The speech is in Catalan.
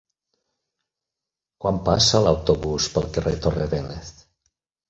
Quan passa l'autobús pel carrer Torre Vélez?